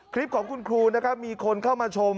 คลิปของคุณครูนะครับมีคนเข้ามาชม